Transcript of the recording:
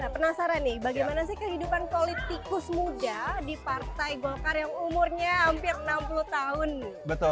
penasaran nih bagaimana sih kehidupan politikus muda di partai golkar yang umurnya hampir enam puluh tahun